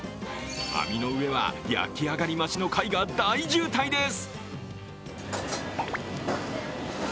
網の上は焼き上がり待ちの貝で大渋滞です。